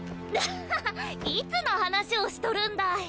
ハハハいつの話をしとるんだい！